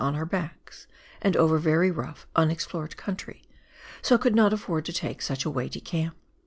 51 on our backs, and over very rougli, unexplored country, so could not afford to take such a weighty camp.